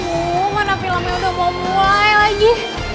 oh mana filmnya udah mau mulai lagi